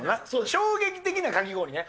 衝撃的なかき氷ね？